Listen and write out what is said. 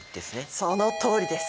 そのとおりです。